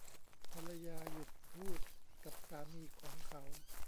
ภรรยาหยุดพูดกับสามีของเขา